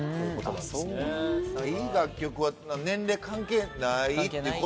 いい楽曲は年齢関係ないって事でしょ。